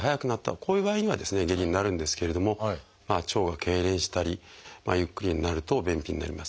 こういう場合には下痢になるんですけれども腸がけいれんしたりゆっくりになると便秘になります。